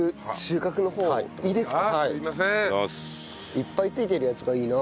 いっぱいついてるやつがいいな。